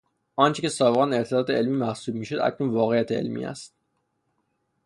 آنچه که سابقا ارتداد علمی محسوب میشد اکنون واقعیت علمی است.